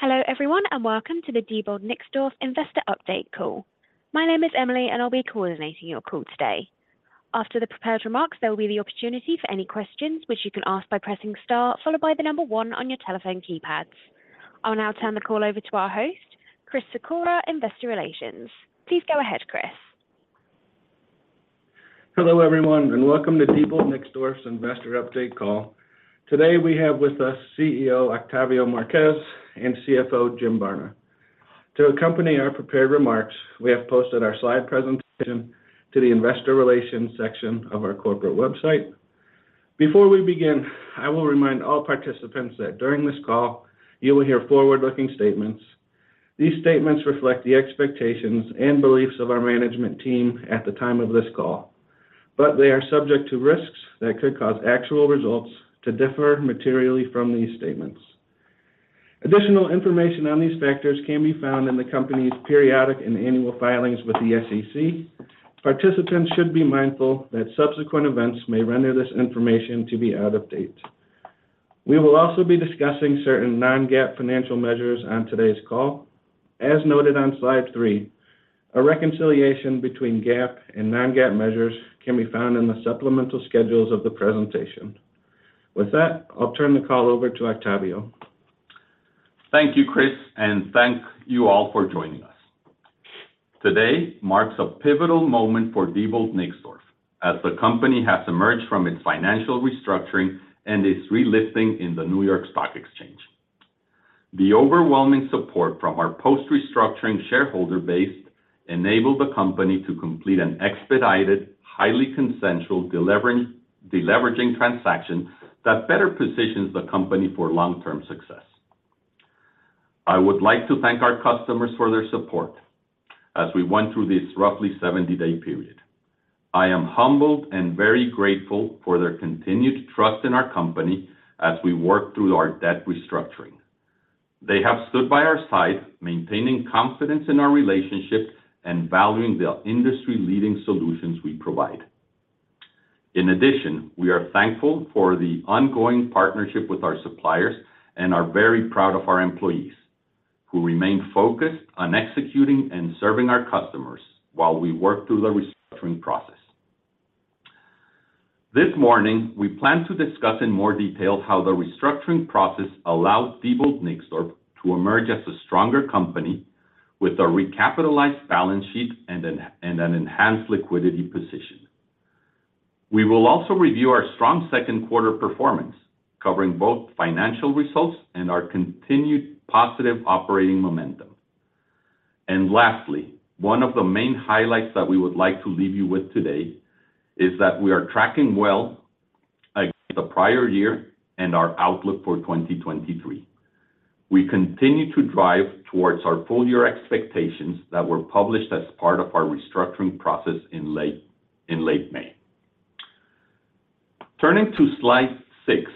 Hello everyone, and welcome to the Diebold Nixdorf Investor Update Call. My name is Emily, and I'll be coordinating your call today. After the prepared remarks, there will be the opportunity for any questions, which you can ask by pressing Star, followed by the one on your telephone keypads. I will now turn the call over to our host, Chris Sikora, Investor Relations. Please go ahead, Chris. Hello, everyone, and welcome to Diebold Nixdorf's Investor Update Call. Today, we have with us CEO, Octavio Marquez, and CFO, Jim Barna. To accompany our prepared remarks, we have posted our slide presentation to the Investor Relations section of our corporate website. Before we begin, I will remind all participants that during this call, you will hear forward-looking statements. These statements reflect the expectations and beliefs of our management team at the time of this call, but they are subject to risks that could cause actual results to differ materially from these statements. Additional information on these factors can be found in the company's periodic and annual filings with the SEC. Participants should be mindful that subsequent events may render this information to be out of date. We will also be discussing certain non-GAAP financial measures on today's call. As noted on slide three, a reconciliation between GAAP and non-GAAP measures can be found in the supplemental schedules of the presentation. With that, I'll turn the call over to Octavio. Thank you, Chris, and thank you all for joining us. Today marks a pivotal moment for Diebold Nixdorf, as the company has emerged from its financial restructuring and is relisting in the New York Stock Exchange. The overwhelming support from our post-restructuring shareholder base enabled the company to complete an expedited, highly consensual, deleveraging transaction that better positions the company for long-term success. I would like to thank our customers for their support as we went through this roughly 70-day period. I am humbled and very grateful for their continued trust in our company as we work through our debt restructuring. They have stood by our side, maintaining confidence in our relationship and valuing the industry-leading solutions we provide. We are thankful for the ongoing partnership with our suppliers and are very proud of our employees, who remained focused on executing and serving our customers while we work through the restructuring process. This morning, we plan to discuss in more detail how the restructuring process allowed Diebold Nixdorf to emerge as a stronger company with a recapitalized balance sheet and an enhanced liquidity position. We will also review our strong second quarter performance, covering both financial results and our continued positive operating momentum. Lastly, one of the main highlights that we would like to leave you with today is that we are tracking well against the prior year and our outlook for 2023. We continue to drive towards our full year expectations that were published as part of our restructuring process in late May. Turning to Slide six,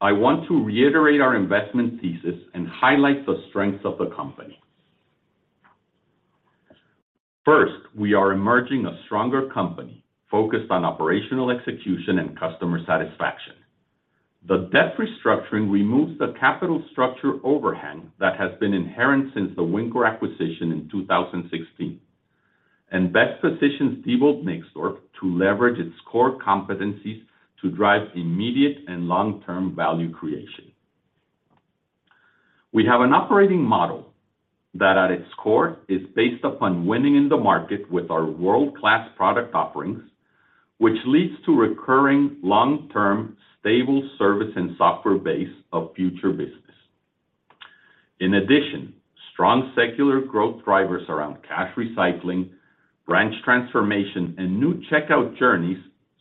I want to reiterate our investment thesis and highlight the strengths of the company. First, we are emerging a stronger company focused on operational execution and customer satisfaction. The debt restructuring removes the capital structure overhang that has been inherent since the Wincor acquisition in 2016, and best positions Diebold Nixdorf to leverage its core competencies to drive immediate and long-term value creation. We have an operating model that at its core, is based upon winning in the market with our world-class product offerings, which leads to recurring, long-term, stable service and software base of future business. In addition, strong secular growth drivers around cash recycling, branch transformation, and new checkout journeys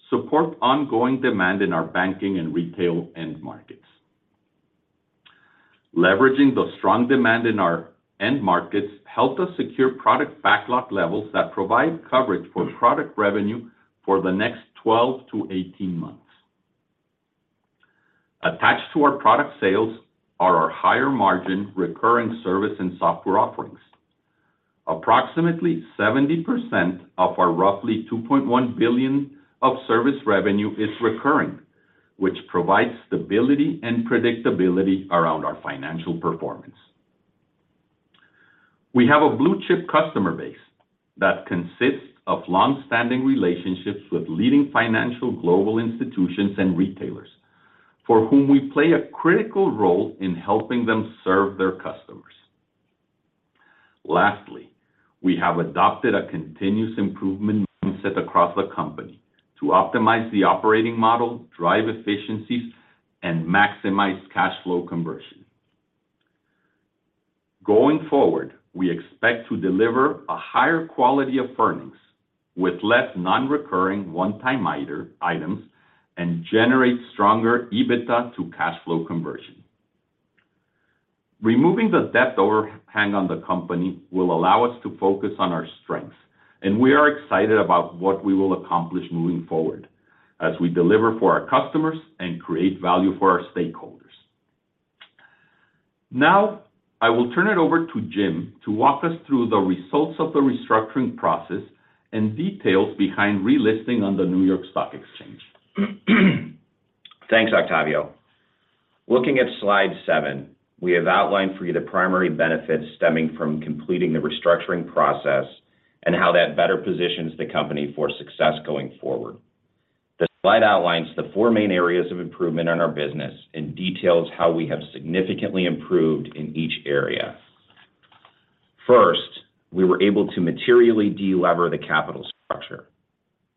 support ongoing demand in our banking and retail end markets. Leveraging the strong demand in our end markets helped us secure product backlog levels that provide coverage for product revenue for the next 12 to 18 months. Attached to our product sales are our higher margin recurring service and software offerings. Approximately 70% of our roughly $2.1 billion of service revenue is recurring, which provides stability and predictability around our financial performance. We have a blue-chip customer base that consists of long-standing relationships with leading financial global institutions and retailers, for whom we play a critical role in helping them serve their customers. Lastly, we have adopted a continuous improvement mindset across the company to optimize the operating model, drive efficiencies, and maximize cash flow conversion. Going forward, we expect to deliver a higher quality of earnings with less non-recurring one-time items, and generate stronger EBITDA to cash flow conversion. Removing the debt overhang on the company will allow us to focus on our strengths, and we are excited about what we will accomplish moving forward as we deliver for our customers and create value for our stakeholders. Now, I will turn it over to Jim to walk us through the results of the restructuring process and details behind relisting on the New York Stock Exchange. Thanks, Octavio. Looking at slide seven, we have outlined for you the primary benefits stemming from completing the restructuring process and how that better positions the company for success going forward. The slide outlines the four main areas of improvement in our business and details how we have significantly improved in each area. First, we were able to materially de-lever the capital structure.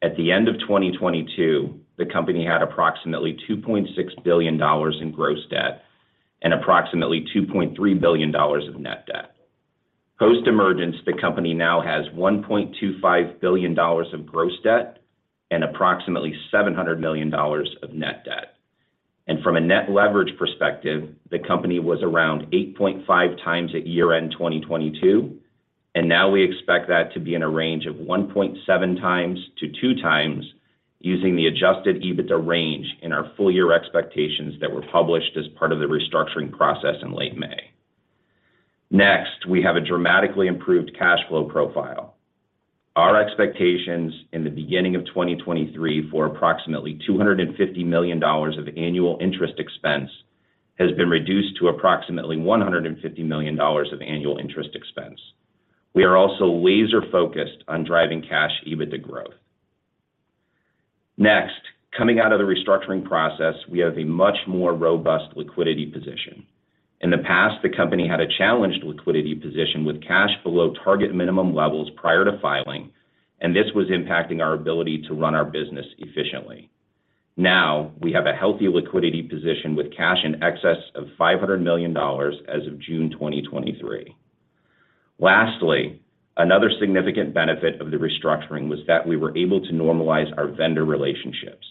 At the end of 2022, the company had approximately $2.6 billion in gross debt and approximately $2.3 billion of net debt. Post-emergence, the company now has $1.25 billion of gross debt and approximately $700 million of net debt. From a net leverage perspective, the company was around 8.5x at year-end 2022, now we expect that to be in a range of 1.7x-2x using the Adjusted EBITDA range in our full year expectations that were published as part of the restructuring process in late May. Next, we have a dramatically improved cash flow profile. Our expectations in the beginning of 2023 for approximately $250 million of annual interest expense has been reduced to approximately $150 million of annual interest expense. We are also laser-focused on driving cash EBITDA growth. Next, coming out of the restructuring process, we have a much more robust liquidity position. In the past, the company had a challenged liquidity position, with cash below target minimum levels prior to filing. This was impacting our ability to run our business efficiently. Now, we have a healthy liquidity position, with cash in excess of $500 million as of June 2023. Lastly, another significant benefit of the restructuring was that we were able to normalize our vendor relationships.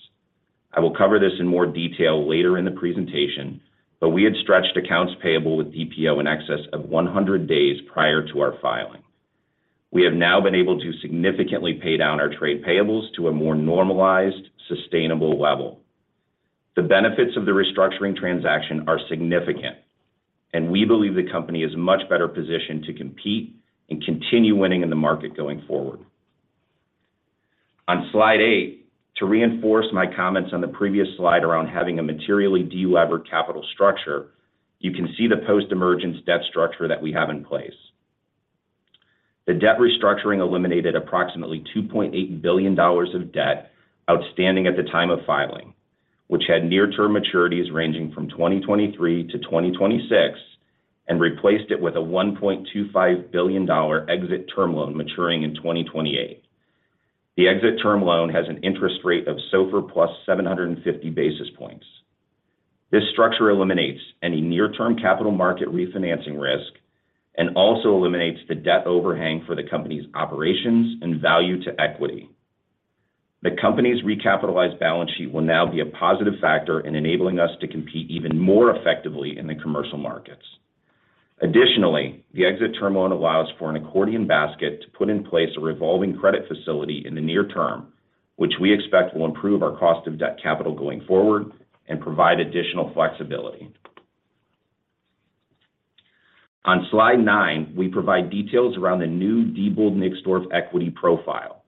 I will cover this in more detail later in the presentation. We had stretched accounts payable with DPO in excess of 100 days prior to our filing. We have now been able to significantly pay down our trade payables to a more normalized, sustainable level. The benefits of the restructuring transaction are significant. We believe the company is much better positioned to compete and continue winning in the market going forward. On slide eight, to reinforce my comments on the previous slide around having a materially de-levered capital structure, you can see the post-emergence debt structure that we have in place. The debt restructuring eliminated approximately $2.8 billion of debt outstanding at the time of filing, which had near-term maturities ranging from 2023 to 2026, and replaced it with a $1.25 billion exit term loan maturing in 2028. The exit term loan has an interest rate of SOFR plus 750 basis points. This structure eliminates any near-term capital market refinancing risk and also eliminates the debt overhang for the company's operations and value to equity. The company's recapitalized balance sheet will now be a positive factor in enabling us to compete even more effectively in the commercial markets. The Exit term loan allows for an accordion basket to put in place a revolving credit facility in the near term, which we expect will improve our cost of debt capital going forward and provide additional flexibility. On slide nine, we provide details around the new Diebold Nixdorf equity profile.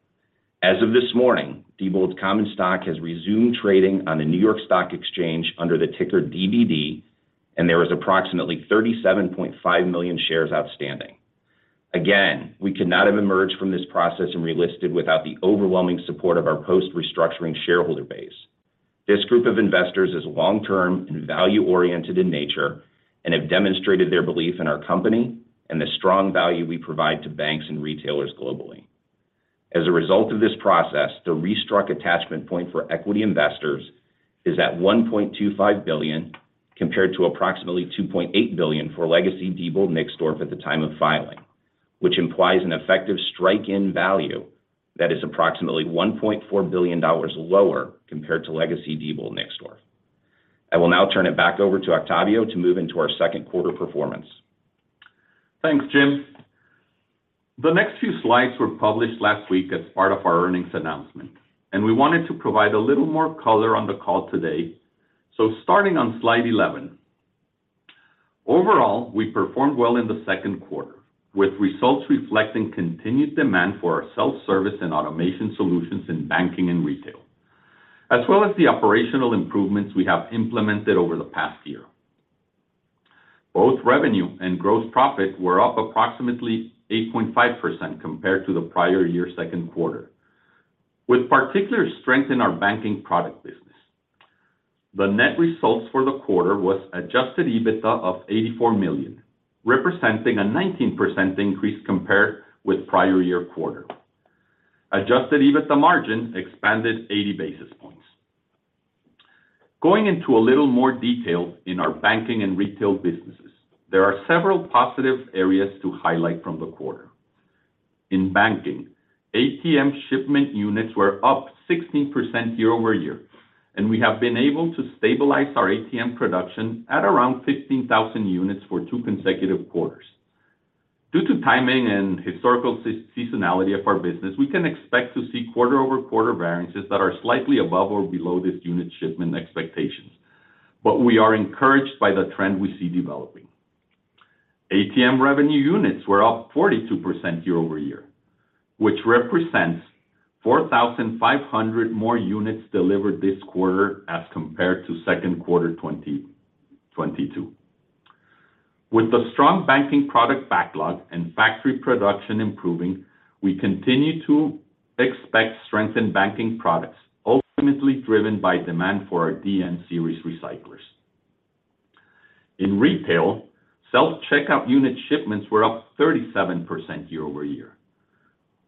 As of this morning, Diebold's common stock has resumed trading on the New York Stock Exchange under the ticker DBD, and there is approximately 37.5 million shares outstanding. Again, we could not have emerged from this process and relisted without the overwhelming support of our post-restructuring shareholder base. This group of investors is long-term and value-oriented in nature and have demonstrated their belief in our company and the strong value we provide to banks and retailers globally. As a result of this process, the restructuring attachment point for equity investors is at $1.25 billion, compared to approximately $2.8 billion for legacy Diebold Nixdorf at the time of filing, which implies an effective strike in value that is approximately $1.4 billion lower compared to legacy Diebold Nixdorf. I will now turn it back over to Octavio to move into our second quarter performance. Thanks, Jim. The next few slides were published last week as part of our earnings announcement, and we wanted to provide a little more color on the call today. Starting on slide 11. Overall, we performed well in the second quarter, with results reflecting continued demand for our self-service and automation solutions in banking and retail, as well as the operational improvements we have implemented over the past year. Both revenue and gross profit were up approximately 8.5% compared to the prior year's second quarter, with particular strength in our banking product business. The net results for the quarter was Adjusted EBITDA of $84 million, representing a 19% increase compared with prior year quarter. Adjusted EBITDA margin expanded 80 basis points. Going into a little more detail in our banking and retail businesses, there are several positive areas to highlight from the quarter. In banking, ATM shipment units were up 16% year-over-year. We have been able to stabilize our ATM production at around 15,000 units for two consecutive quarters. Due to timing and historical seasonality of our business, we can expect to see quarter-over-quarter variances that are slightly above or below this unit shipment expectations. We are encouraged by the trend we see developing. ATM revenue units were up 42% year-over-year, which represents 4,500 more units delivered this quarter as compared to second quarter 2022. With the strong banking product backlog and factory production improving, we continue to expect strengthened banking products, ultimately driven by demand for our DN Series recyclers. In retail, self-checkout unit shipments were up 37% year-over-year.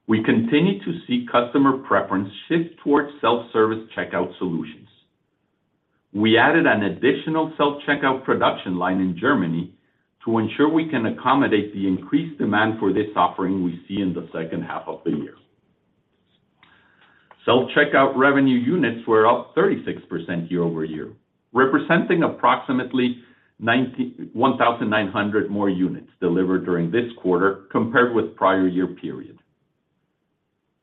We continue to see customer preference shift towards self-service checkout solutions. We added an additional Self-checkout production line in Germany to ensure we can accommodate the increased demand for this offering we see in the second half of the year. Self-checkout revenue units were up 36% year-over-year, representing approximately 91,900 more units delivered during this quarter compared with prior year period.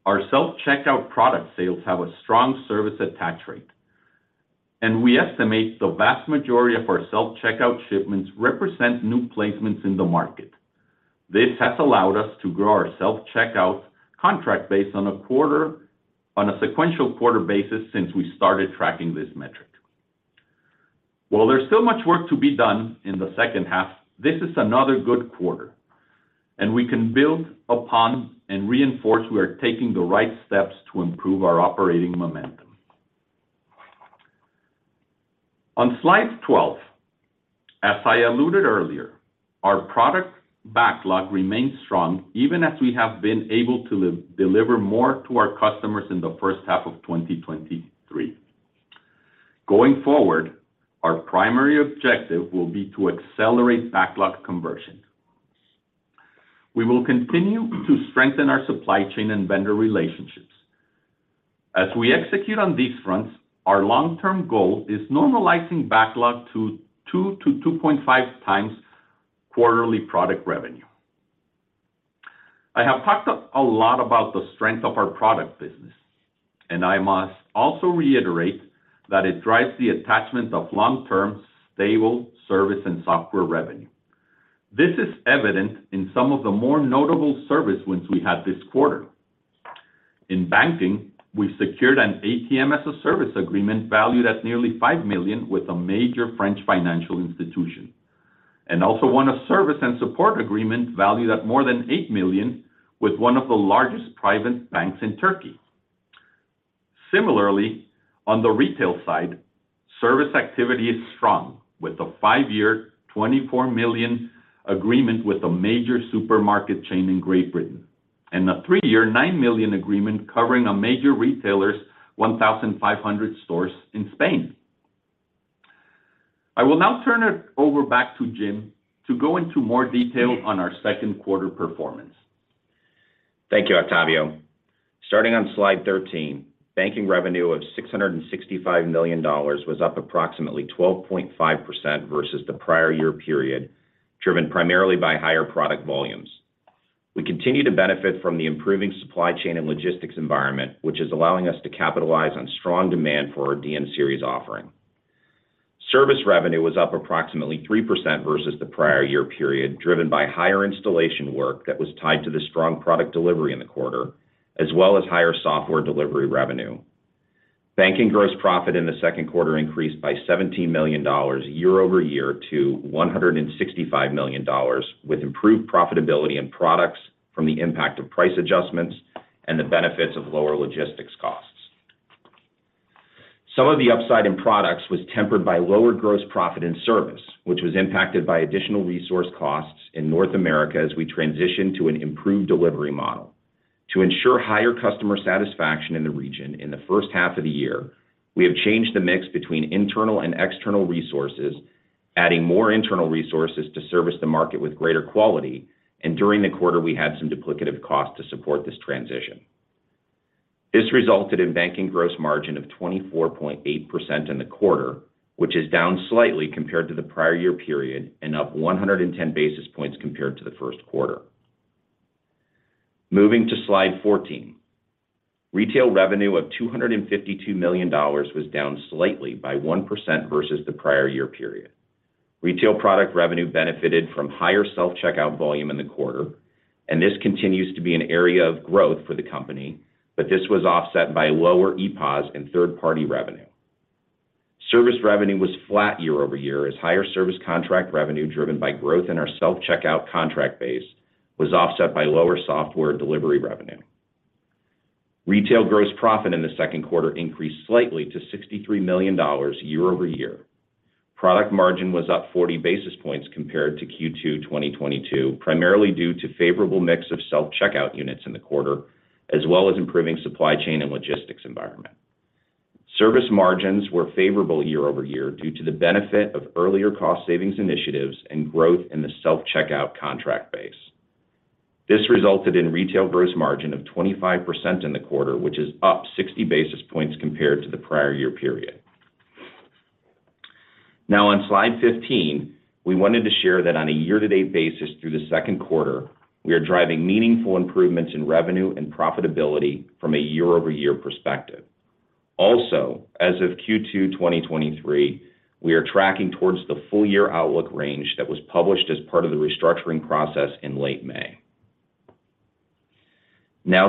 Our Self-checkout product sales have a strong service attach rate, and we estimate the vast majority of our Self-checkout shipments represent new placements in the market. This has allowed us to grow our Self-checkout contract base on a quarter- on a sequential quarter basis since we started tracking this metric. While there's still much work to be done in the second half, this is another good quarter, and we can build upon and reinforce we are taking the right steps to improve our operating momentum. On slide 12, as I alluded earlier, our product backlog remains strong even as we have been able to deliver more to our customers in the first half of 2023. Going forward, our primary objective will be to accelerate backlog conversion. We will continue to strengthen our supply chain and vendor relationships. As we execute on these fronts, our long-term goal is normalizing backlog to 2-2.5x quarterly product revenue. I have talked a lot about the strength of our product business, and I must also reiterate that it drives the attachment of long-term, stable service and software revenue. This is evident in some of the more notable service wins we had this quarter. In banking, we secured an ATM-as-a-service agreement valued at nearly $5 million with a major French financial institution. Also won a service and support agreement valued at more than $8 million with one of the largest private banks in Turkey. Similarly, on the retail side, service activity is strong, with a five-year, $24 million agreement with a major supermarket chain in Great Britain, and a three-year, $9 million agreement covering a major retailer's 1,500 stores in Spain. I will now turn it over back to Jim to go into more detail on our second quarter performance. Thank you, Octavio. Starting on slide 13, banking revenue of $665 million was up approximately 12.5% versus the prior year period, driven primarily by higher product volumes. We continue to benefit from the improving supply chain and logistics environment, which is allowing us to capitalize on strong demand for our DN Series offering. Service revenue was up approximately 3% versus the prior year period, driven by higher installation work that was tied to the strong product delivery in the quarter, as well as higher software delivery revenue. Banking gross profit in the second quarter increased by $17 million year-over-year to $165 million, with improved profitability in products from the impact of price adjustments and the benefits of lower logistics costs. Some of the upside in products was tempered by lower gross profit in service, which was impacted by additional resource costs in North America as we transitioned to an improved delivery model. To ensure higher customer satisfaction in the region in the first half of the year, we have changed the mix between internal and external resources, adding more internal resources to service the market with greater quality, and during the quarter, we had some duplicative costs to support this transition. This resulted in banking gross margin of 24.8% in the quarter, which is down slightly compared to the prior year period and up 110 basis points compared to the first quarter. Moving to slide 14. Retail revenue of $252 million was down slightly by 1% versus the prior year period. Retail product revenue benefited from higher Self-checkout volume in the quarter, and this continues to be an area of growth for the company, but this was offset by lower ePOS and third-party revenue. Service revenue was flat year-over-year, as higher service contract revenue, driven by growth in our Self-checkout contract base, was offset by lower software delivery revenue. Retail gross profit in the second quarter increased slightly to $63 million year-over-year. Product margin was up 40 basis points compared to Q2 2022, primarily due to favorable mix of Self-checkout units in the quarter, as well as improving supply chain and logistics environment. Service margins were favorable year-over-year due to the benefit of earlier cost savings initiatives and growth in the Self-checkout contract base. This resulted in retail gross margin of 25% in the quarter, which is up 60 basis points compared to the prior year period. On slide 15, we wanted to share that on a year-to-date basis through the second quarter, we are driving meaningful improvements in revenue and profitability from a year-over-year perspective. As of Q2 2023, we are tracking towards the full year outlook range that was published as part of the restructuring process in late May.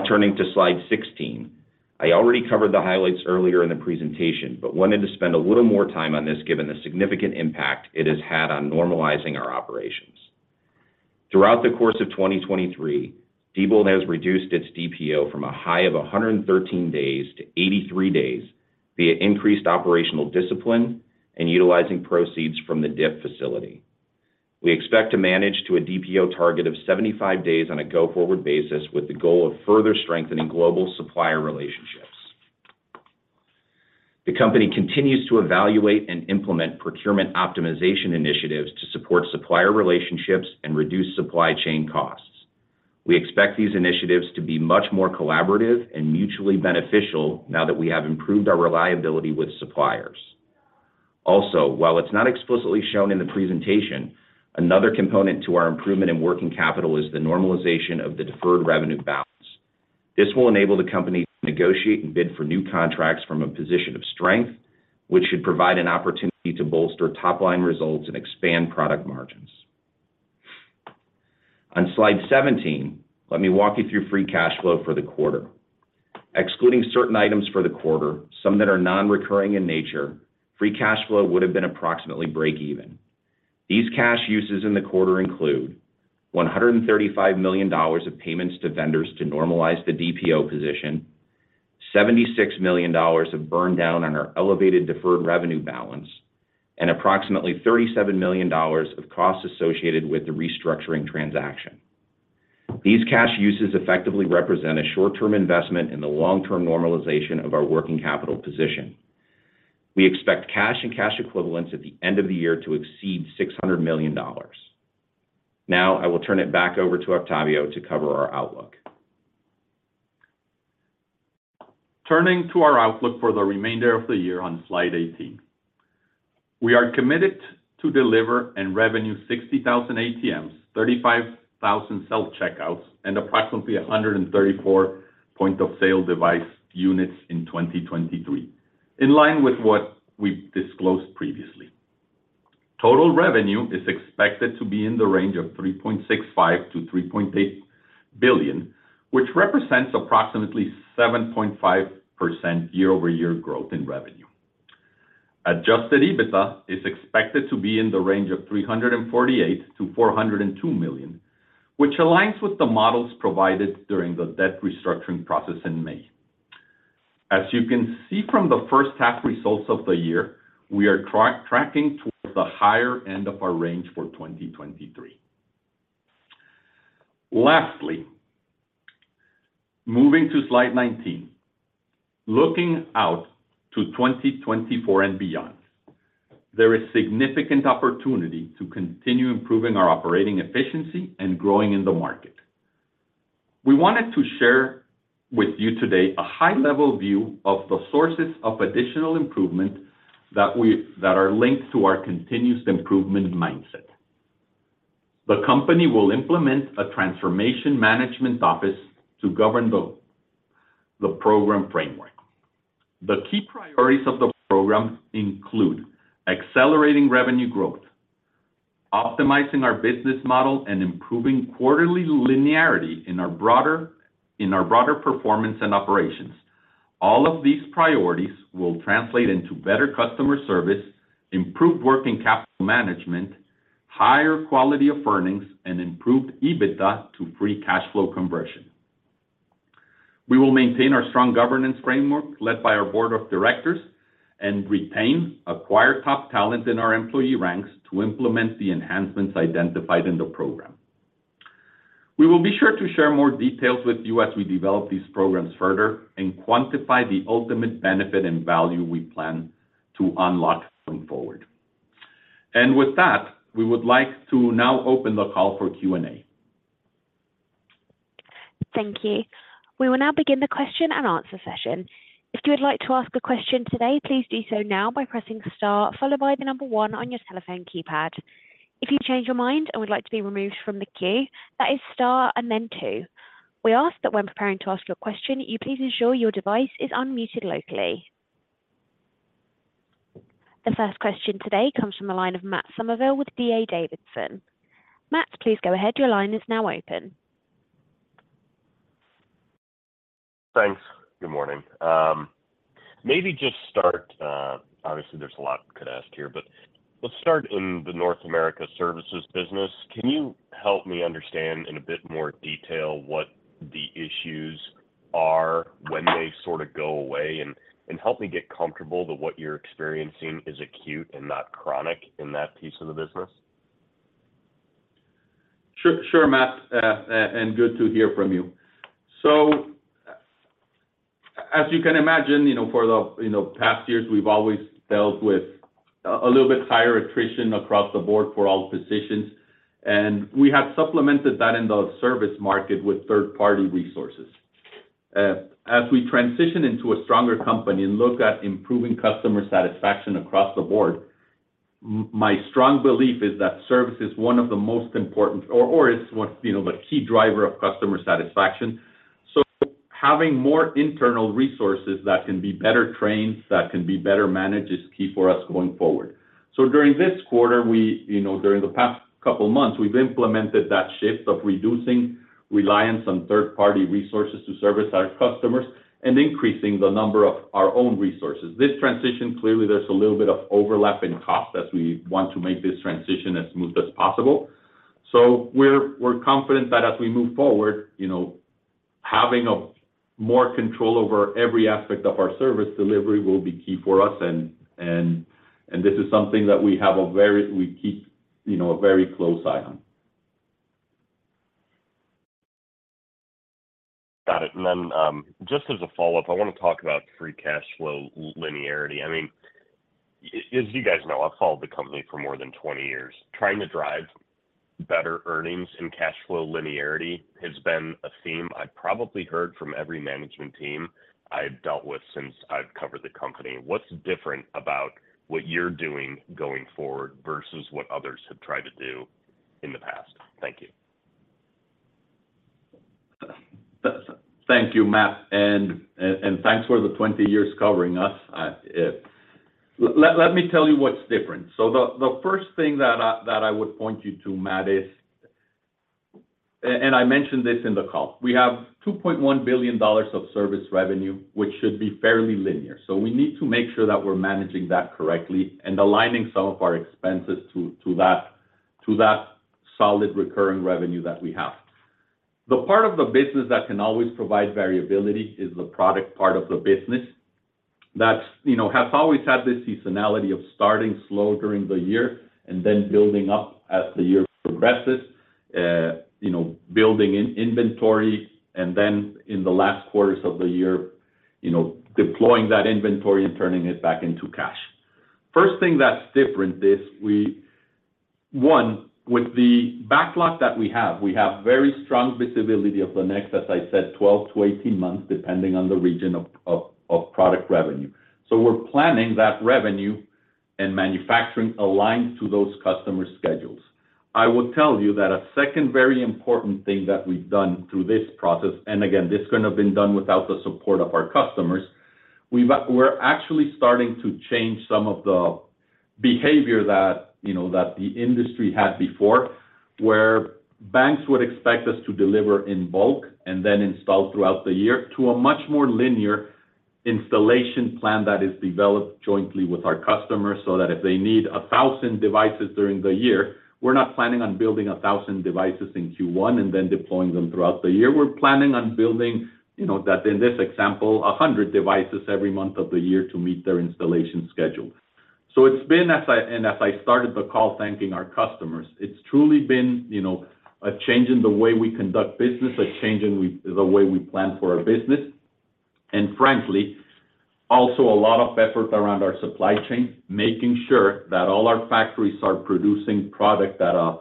Turning to slide 16. I already covered the highlights earlier in the presentation, but wanted to spend a little more time on this, given the significant impact it has had on normalizing our operations. Throughout the course of 2023, Diebold Nixdorf has reduced its DPO from a high of 113 days to 83 days, via increased operational discipline and utilizing proceeds from the DIP facility. We expect to manage to a DPO target of 75 days on a go-forward basis, with the goal of further strengthening global supplier relationships. The company continues to evaluate and implement procurement optimization initiatives to support supplier relationships and reduce supply chain costs. We expect these initiatives to be much more collaborative and mutually beneficial now that we have improved our reliability with suppliers. While it's not explicitly shown in the presentation, another component to our improvement in working capital is the normalization of the deferred revenue balance. This will enable the company to negotiate and bid for new contracts from a position of strength, which should provide an opportunity to bolster top-line results and expand product margins. On slide 17, let me walk you through free cash flow for the quarter. Excluding certain items for the quarter, some that are non-recurring in nature, free cash flow would have been approximately break even. These cash uses in the quarter include $135 million of payments to vendors to normalize the DPO position, $76 million of burn down on our elevated deferred revenue balance, and approximately $37 million of costs associated with the restructuring transaction. These cash uses effectively represent a short-term investment in the long-term normalization of our working capital position. We expect cash and cash equivalents at the end of the year to exceed $600 million. I will turn it back over to Octavio to cover our outlook. Turning to our outlook for the remainder of the year on slide 18. We are committed to deliver and revenue 60,000 ATMs, 35,000 self-checkouts, and approximately 134 point-of-sale device units in 2023. In line with what we've disclosed previously. Total revenue is expected to be in the range of $3.65 billion-$3.8 billion, which represents approximately 7.5% year-over-year growth in revenue. Adjusted EBITDA is expected to be in the range of $348 million-$402 million, which aligns with the models provided during the debt restructuring process in May. As you can see from the first half results of the year, we are tracking towards the higher end of our range for 2023. Lastly, moving to slide 19. Looking out to 2024 and beyond, there is significant opportunity to continue improving our operating efficiency and growing in the market. We wanted to share with you today a high-level view of the sources of additional improvement that are linked to our continuous improvement mindset. The company will implement a transformation management office to govern the program framework. The key priorities of the program include: accelerating revenue growth, optimizing our business model, and improving quarterly linearity in our broader performance and operations. All of these priorities will translate into better customer service, improved working capital management, higher quality of earnings, and improved EBITDA to free cash flow conversion. We will maintain our strong governance framework led by our board of directors, and retain acquire top talent in our employee ranks to implement the enhancements identified in the program. We will be sure to share more details with you as we develop these programs further and quantify the ultimate benefit and value we plan to unlock going forward. With that, we would like to now open the call for Q&A. Thank you. We will now begin the question and answer session. If you would like to ask a question today, please do so now by pressing star, followed by the number one on your telephone keypad. If you change your mind and would like to be removed from the queue, that is star and then two. We ask that when preparing to ask your question, you please ensure your device is unmuted locally. The first question today comes from the line of Matt Summerville with D.A. Davidson. Matt, please go ahead. Your line is now open. Thanks. Good morning. Maybe just start, obviously, there's a lot I could ask here, but let's start in the North America services business. Can you help me understand in a bit more detail what the issues are, when they sort of go away? Help me get comfortable that what you're experiencing is acute and not chronic in that piece of the business. Sure, sure, Matt, good to hear from you. As you can imagine, you know, for the, you know, past years, we've always dealt with a little bit higher attrition across the board for all positions, and we have supplemented that in the service market with third-party resources. As we transition into a stronger company and look at improving customer satisfaction across the board. My strong belief is that service is one of the most important, or, or is what, you know, the key driver of customer satisfaction. Having more internal resources that can be better trained, that can be better managed, is key for us going forward. During this quarter, we, you know, during the past couple months, we've implemented that shift of reducing reliance on third-party resources to service our customers and increasing the number of our own resources. This transition, clearly, there's a little bit of overlap in cost as we want to make this transition as smooth as possible. We're, we're confident that as we move forward, you know, having a more control over every aspect of our service delivery will be key for us, and, and, and this is something that we keep, you know, a very close eye on. Got it. Then, just as a follow-up, I wanna talk about free cash flow linearity. I mean, as you guys know, I've followed the company for more than 20 years. Trying to drive better earnings and cash flow linearity has been a theme I've probably heard from every management team I've dealt with since I've covered the company. What's different about what you're doing going forward versus what others have tried to do in the past? Thank you. Thank you, Matt. Thanks for the 20 years covering us. Let me tell you what's different. The first thing that I, that I would point you to, Matt, is. And I mentioned this in the call. We have $2.1 billion of service revenue, which should be fairly linear. We need to make sure that we're managing that correctly and aligning some of our expenses to that, to that solid recurring revenue that we have. The part of the business that can always provide variability is the product part of the business. That's, you know, has always had this seasonality of starting slow during the year and then building up as the year progresses, you know, building in inventory, and then in the last quarters of the year, you know, deploying that inventory and turning it back into cash. First thing that's different is, with the backlog that we have, we have very strong visibility of the next, as I said, 12 to 18 months, depending on the region of product revenue. We're planning that revenue and manufacturing aligned to those customer schedules. I will tell you that a second very important thing that we've done through this process, and again, this couldn't have been done without the support of our customers, we're actually starting to change some of the behavior that, you know, that the industry had before, where banks would expect us to deliver in bulk and then install throughout the year to a much more linear installation plan that is developed jointly with our customers, so that if they need 1,000 devices during the year, we're not planning on building 1,000 devices in Q1 and then deploying them throughout the year. We're planning on building, you know, that in this example, 100 devices every month of the year to meet their installation schedule. As I started the call, thanking our customers, it's truly been, you know, a change in the way we conduct business, a change in the way we plan for our business, and frankly, also a lot of effort around our supply chain, making sure that all our factories are producing product at a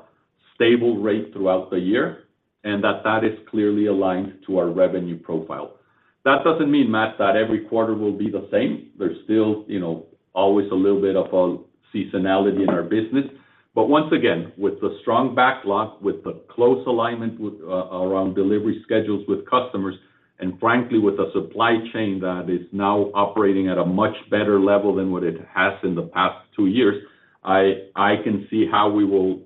stable rate throughout the year, and that that is clearly aligned to our revenue profile. That doesn't mean, Matt, that every quarter will be the same. There's still, you know, always a little bit of a seasonality in our business. Once again, with the strong backlog, with the close alignment with around delivery schedules with customers, and frankly, with a supply chain that is now operating at a much better level than what it has in the past two years, I, I can see how we will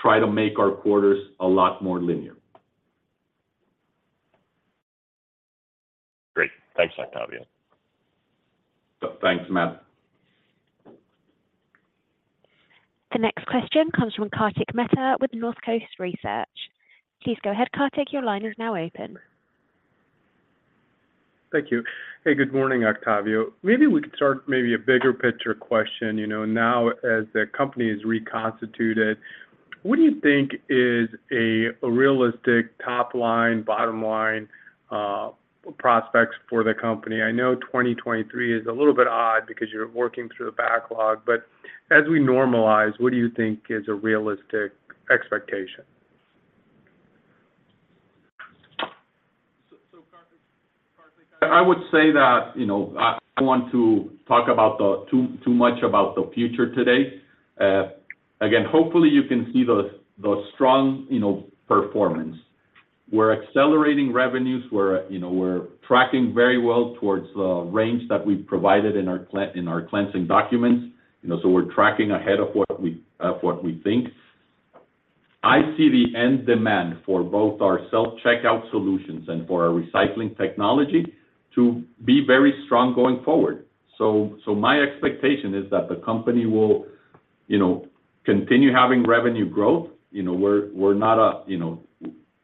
try to make our quarters a lot more linear. Great. Thanks, Octavio. Thanks, Matt. The next question comes from Kartik Mehta with Northcoast Research. Please go ahead, Kartik, your line is now open. Thank you. Hey, good morning, Octavio. Maybe we could start maybe a bigger picture question, you know, now as the company is reconstituted, what do you think is a realistic top line, bottom line, prospects for the company? I know 2023 is a little bit odd because you're working through a backlog, but as we normalize, what do you think is a realistic expectation? Kartik, I would say that, you know, I don't want to talk about the too much about the future today. Again, hopefully, you can see the strong, you know, performance. We're accelerating revenues, we're, you know, we're tracking very well towards the range that we've provided in our cleansing documents. You know, we're tracking ahead of what we think. I see the end demand for both our Self-checkout solutions and for our recycling technology to be very strong going forward. My expectation is that the company will, you know, continue having revenue growth. You know, we're, we're not, you know,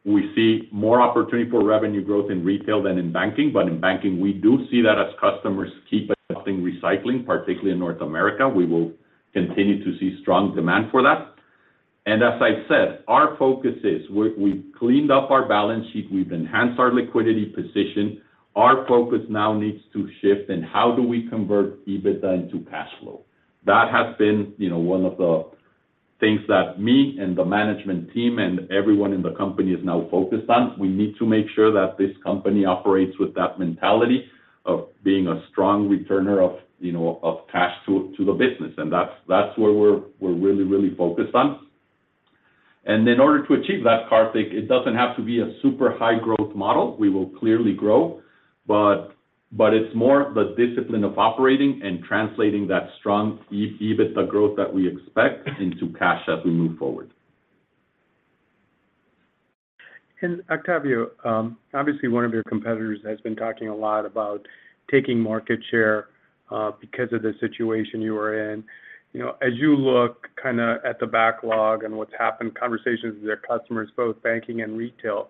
we see more opportunity for revenue growth in retail than in banking, but in banking, we do see that as customers keep investing in recycling, particularly in North America, we will continue to see strong demand for that. As I've said, our focus is we, we've cleaned up our balance sheet, we've enhanced our liquidity position. Our focus now needs to shift. How do we convert EBITDA into cash flow? That has been, you know, one of the things that me and the management team and everyone in the company is now focused on. We need to make sure that this company operates with that mentality of being a strong returner of, you know, of cash to, to the business, and that's, that's where we're, we're really, really focused on. In order to achieve that, Kartik, it doesn't have to be a super high growth model. We will clearly grow, but it's more the discipline of operating and translating that strong EBITDA growth that we expect into cash as we move forward. Octavio, obviously, one of your competitors has been talking a lot about taking market share, because of the situation you are in. You know, as you look kinda at the backlog and what's happened, conversations with your customers, both banking and retail,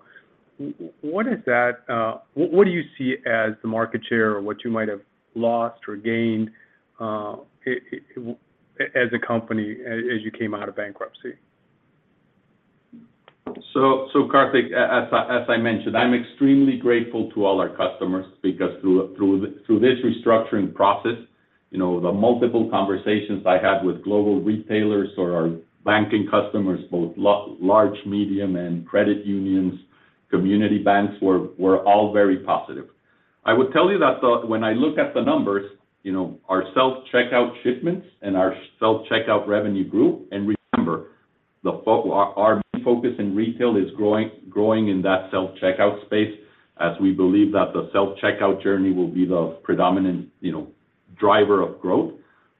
what is that, what do you see as the market share or what you might have lost or gained, as a company, as you came out of bankruptcy? Kartik, as I mentioned, I'm extremely grateful to all our customers because through this restructuring process, you know, the multiple conversations I had with global retailers or our banking customers, both large, medium, and credit unions, community banks, were all very positive. I would tell you that the when I look at the numbers, you know, our Self-checkout shipments and our Self-checkout revenue grew. Remember, our main focus in retail is growing in that Self-checkout space, as we believe that the Self-checkout journey will be the predominant, you know, driver of growth.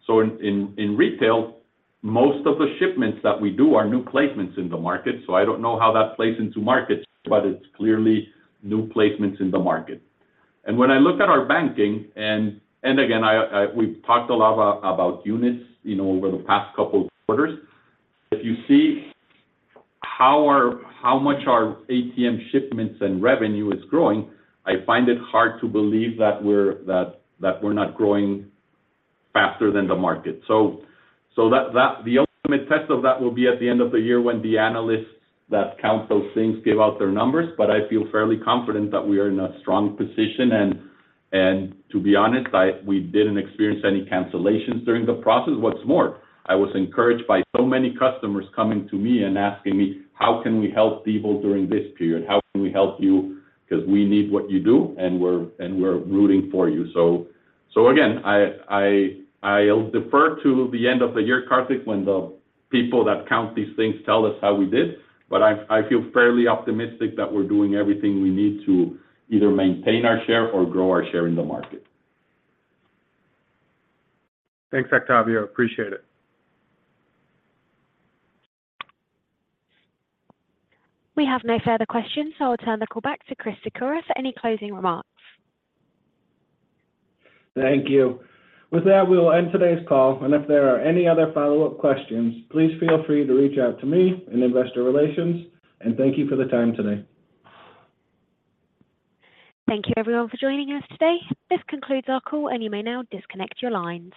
In retail, most of the shipments that we do are new placements in the market, so I don't know how that plays into market, but it's clearly new placements in the market. When I look at our banking, and again, we've talked a lot about units, you know, over the past couple of quarters. If you see how much our ATM shipments and revenue is growing, I find it hard to believe that we're not growing faster than the market. The ultimate test of that will be at the end of the year when the analysts that count those things give out their numbers, but I feel fairly confident that we are in a strong position. To be honest, we didn't experience any cancellations during the process. What's more, I was encouraged by so many customers coming to me and asking me, "How can we help Diebold during this period? How can we help you? We need what you do, and we're rooting for you." Again, I'll defer to the end of the year, Kartik, when the people that count these things tell us how we did, but I feel fairly optimistic that we're doing everything we need to either maintain our share or grow our share in the market. Thanks, Octavio. Appreciate it. We have no further questions. I'll turn the call back to Chris Sikora for any closing remarks. Thank you. With that, we will end today's call, and if there are any other follow-up questions, please feel free to reach out to me in Investor Relations, and thank you for the time today. Thank you, everyone, for joining us today. This concludes our call, and you may now disconnect your lines.